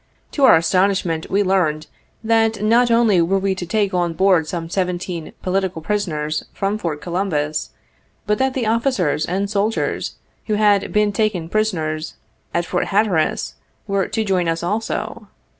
To our astonishment we learned that not only were we to take on board some seventeen "political prisoners" from Fort Columbus, but that the officers and soldiers who had been taken prisoners at Fort Hatter as were to join us also.